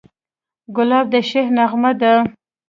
ګلاب د شعر نغمه ده.